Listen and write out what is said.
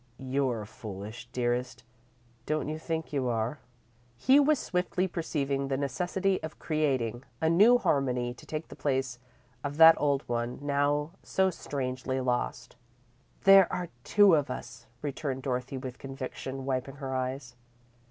You're foolish, dearest, don't you think you are?" He was swiftly perceiving the necessity of creating a new harmony to take the place of that old one, now so strangely lost. "There are two of us," returned Dorothy, with conviction, wiping her eyes.